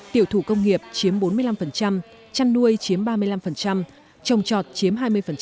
tiểu thủ công nghiệp chiếm bốn mươi năm chăn nuôi chiếm ba mươi năm trồng trọt chiếm hai mươi